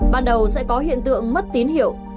ban đầu sẽ có hiện tượng mất tín hiệu